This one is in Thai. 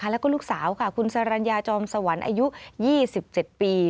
และลูกสาวคุณสารัญญาจอมสวรรค์อายุ๒๗ปี